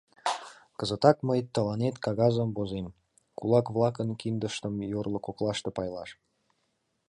— Кызытак мый тыланет кагазым возем: кулак-влакын киндыштым йорло коклаште пайлаш.